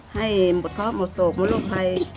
ให้หมดเคราะห์หมดโศกหมดโรคภัย